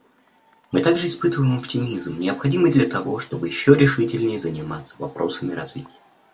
Мы также испытываем оптимизм, необходимый для того, чтобы еще решительнее заниматься вопросами развития.